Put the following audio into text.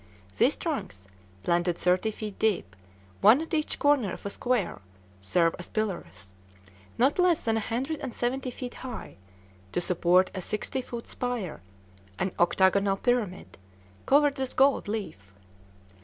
These trunks, planted thirty feet deep, one at each corner of a square, serve as pillars, not less than a hundred and seventy feet high, to support a sixty foot spire, an octagonal pyramid, covered with gold leaf.